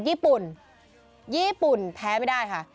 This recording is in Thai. ญี่ปุ่นญี่ปุ่นแพ้ไม่ได้ค่ะ